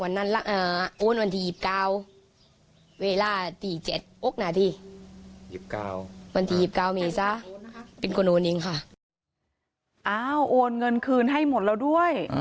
อ้าวโอนเงินคืนให้หมดแล้วด้วย